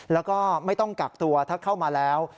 แล้วก็ไม่ต้องกักตัวถ้าเข้ามาแล้ว